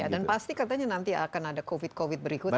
dan pasti katanya nanti akan ada covid covid berikutnya